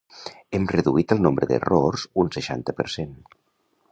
Hem reduït el nombre d'errors un seixanta per cent.